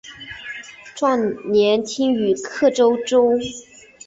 壮年听雨客舟中。